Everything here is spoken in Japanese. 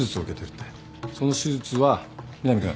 その手術は南君。